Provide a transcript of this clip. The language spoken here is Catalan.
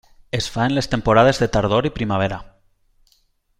Es fa en les temporades de tardor i primavera.